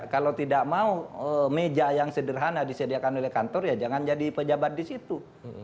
kalau tidak mau meja yang sederhana disediakan oleh kantor ya jangan jadi pejabat di situ